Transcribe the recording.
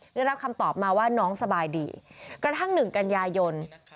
ได้รับคำตอบมาว่าน้องสบายดีกระทั่งหนึ่งกันยายน